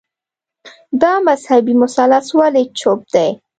دا مذهبي مثلث ولي چوپ دی